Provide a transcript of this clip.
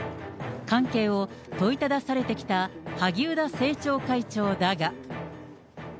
関係を問いただされてきた萩生田政調会長だが。